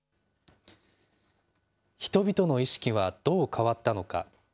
人々の意識はどう変わったのか。